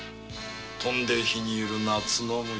「飛んで火に入る夏の虫」だ。